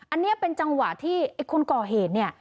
อันนี้เป็นจังหวะที่ไอ้คนก่อเหตุเนี่ย